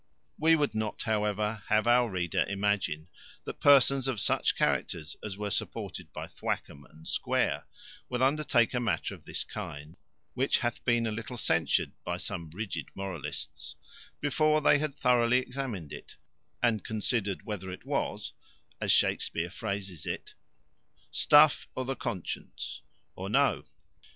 We would not, however, have our reader imagine, that persons of such characters as were supported by Thwackum and Square, would undertake a matter of this kind, which hath been a little censured by some rigid moralists, before they had thoroughly examined it, and considered whether it was (as Shakespear phrases it) "Stuff o' th' conscience," or no.